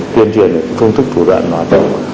tuyên truyền phương thức thủ đoạn hòa tổ